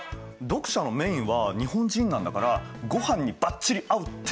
読者のメインは日本人なんだから「ごはんにバッチリ合う」ってのはどう？